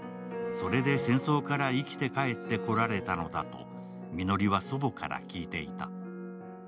それで戦争から生きて帰ってこられたのだとみのりは祖母から聞いていた。